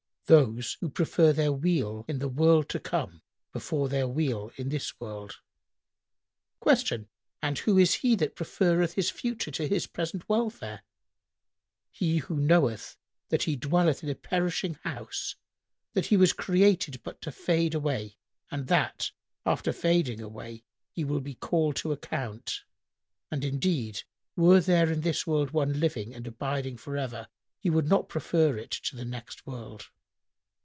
"—"Those who prefer their weal in the world to come before their weal in this world." Q "And who is he that preferreth his future to his present welfare?"—"He who knoweth that he dwelleth in a perishing house, that he was created but to vade away and that, after vading away, he will be called to account; and indeed, were there in this world one living and abiding for ever, he would not prefer it to the next world."